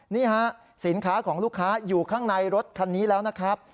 นี่ฮะสินค้าของลูกค้าอยู่ข้างในรถคันนี้แล้วนะครับ